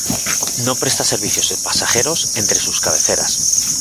No presta servicios de pasajeros entre sus cabeceras.